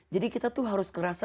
jadi kita harus merasa